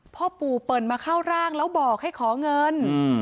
พ่อปู่เปิ่นมาเข้าร่างแล้วบอกให้ขอเงิน